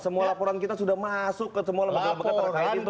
semua laporan kita sudah masuk ke semua lembaga lembaga terkait